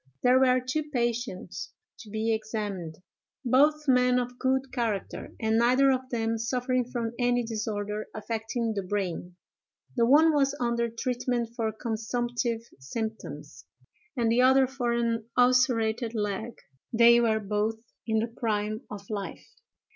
"There were two patients to be examined—both men of good character, and neither of them suffering from any disorder affecting the brain; the one was under treatment for consumptive symptoms, and the other for an ulcerated leg: and they were both in the prime of life.